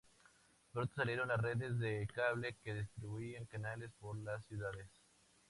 Pronto salieron las redes de cable que distribuían canales por las ciudades.